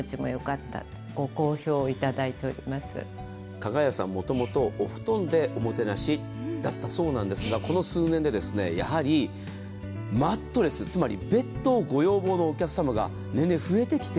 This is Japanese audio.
加賀屋さん、もともとお布団でおもてなしだったそうですがこの数年でやはりマットレス、つまりベッドをご要望のお客様が年々増えてきて。